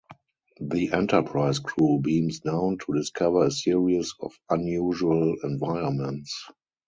The "Enterprise" crew beams down to discover a series of unusual environments.